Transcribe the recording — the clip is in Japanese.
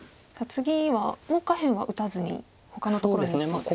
次はもう下辺は打たずにほかのところに打つんですか。